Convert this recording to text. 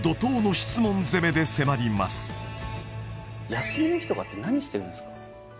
休みの日とかって何してるんですか？